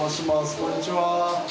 こんにちは。